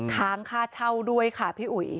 ค้างค่าเช่าด้วยค่ะพี่อุ๋ย